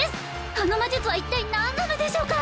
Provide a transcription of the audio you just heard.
あの魔術は一体何なのでしょうか